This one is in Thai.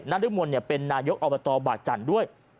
นรมนเป็นนายกอบตบากจันทร์ด้วย